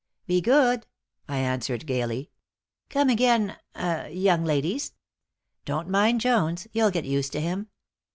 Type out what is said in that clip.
"Be good!" I answered, gaily. "Come again ah young ladies. Don't mind Jones. You'll get used to him.